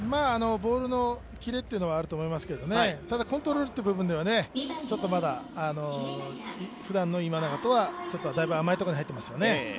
ボールのキレというのはあると思いますけれども、ただ、コントロールという部分ではちょっとまだふだんの今永とは、だいぶ甘いところに入っていますよね。